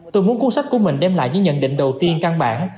tôi muốn cuốn sách của mình đem lại những nhận định đầu tiên căn bản